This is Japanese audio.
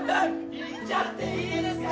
いっちゃっていいですか？